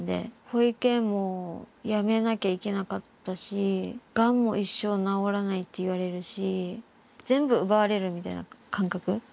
保育園もやめなきゃいけなかったしがんも一生治らないって言われるし全部奪われるみたいな感覚。